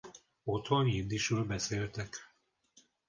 Otthon jiddisül beszéltek.